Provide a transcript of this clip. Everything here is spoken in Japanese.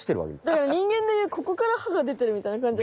だからにんげんでいうここから歯が出てるみたいな。